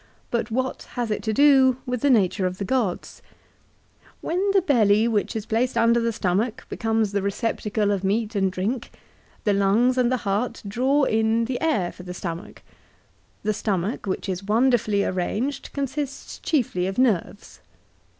But what has it to do with the nature of the gods ?" When the belly which is placed under the stomach becomes the receptacle of meat and drink, the lungs and the heart draw in the air for the stomach. The stomach, which is wonderfully arranged, consists chiefly of nerves."